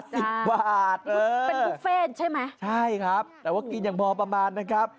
สิบบาทเออเป็นบุฟเฟ่ใช่ไหมใช่ครับแต่ว่ากินอย่างพอประมาณนะครับ